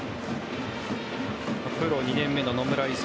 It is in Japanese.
プロ２年目の野村勇。